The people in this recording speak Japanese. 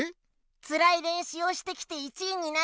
つらいれんしゅうをしてきて１位になったんです。